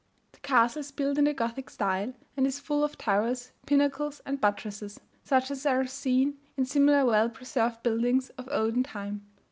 The castle is built in the Gothic style, and is full of towers, pinnacles, and buttresses, such as are seen in similar well preserved buildings of olden time.